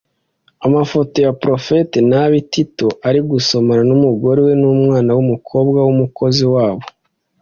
Amafoto ya Prophet Nabi Tito ari gusomana n'umugore we n'umwana w'umukobwa w'umukozi wabo